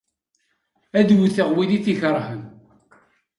Ad d-wteɣ wid i t-ikerhen.